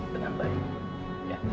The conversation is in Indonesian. tenang baik ya